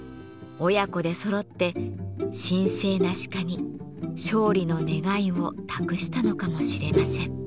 親子でそろって神聖な鹿に勝利の願いを託したのかもしれません。